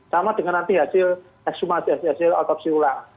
sama dengan nanti hasil ekshumasi hasil otopsi ulang